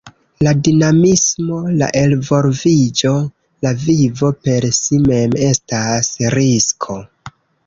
La dinamismo, la elvolviĝo, la vivo per si mem estas risko.